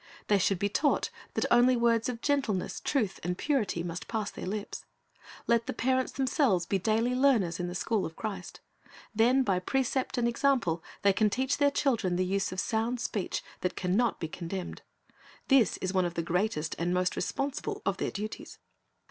They should be taught that only words 1 Eph. 4 : 29 33^ C/irist's Object Lessons of gentleness, truth, and purity must pass their hps. Let the parents themselves be daily learners in the school of Christ. Then by precept and example they can teach their children the use of "sound speech, that can not be condemned."^ This is one of the greatest and most respon sible of their duties.